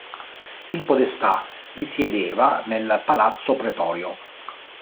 Il podestà risiedeva nel Palazzo Pretorio.